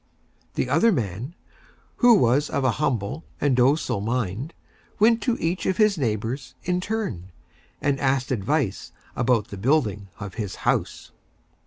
The Other Man, who was of a Humble and Docile Mind, went to Each of his Neighbors in Turn, and asked Advice about the Building of his House.